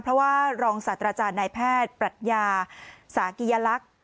เพราะว่ารองศาสตราจารย์นายแพทย์ปรัชญาสากิยลักษณ์